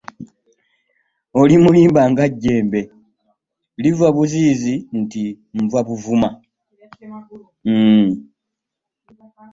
Oli mulimba nga jjembe; liva buziizi nti Nva Buvuma.